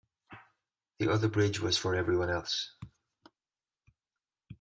The other bridge was for everyone else.